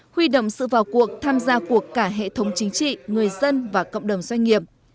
huy động sự vào cuộc tham gia cuộc cả hệ thống chính trị người dân và cộng đồng doanh nghiệp